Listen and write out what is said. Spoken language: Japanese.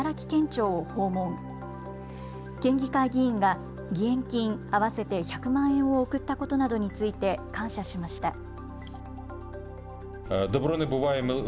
県議会議員が義援金合わせて１００万円を送ったことなどについて感謝しました。